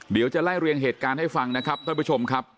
เดี๋ยวจะไล่เรียงเหตุการณ์ให้ฟังนะครับท่านผู้ชมครับ